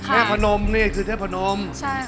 แค่ผนมเนี่ยคือแค่ผนม